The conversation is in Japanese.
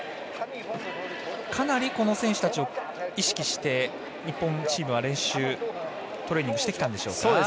かなり、この選手たちを意識して日本チームは練習、トレーニングしてきたんでしょうか？